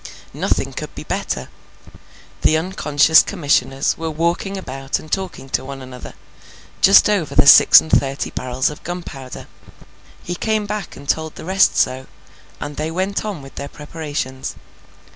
Nothing could be better. The unconscious Commissioners were walking about and talking to one another, just over the six and thirty barrels of gunpowder. He came back and told the rest so, and they went on with their preparations.